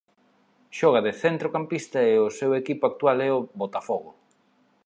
Xoga de centrocampista e o seu equipo actual é o Botafogo.